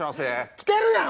来てるやんもう！